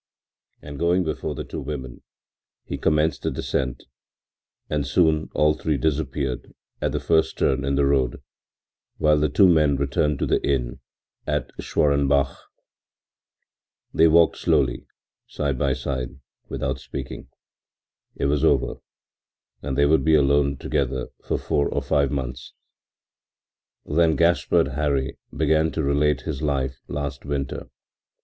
” And going before the two women, he commenced the descent, and soon all three disappeared at the first turn in the road, while the two men returned to the inn at Schwarenbach. They walked slowly, side by side, without speaking. It was over, and they would be alone together for four or five months. Then Gaspard Hari began to relate his life last winter.